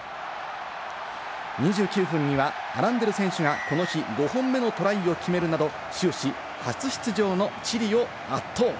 ２９分にはアランデル選手がこの日、５本目のトライを決めるなど、終始、初出場のチリを圧倒！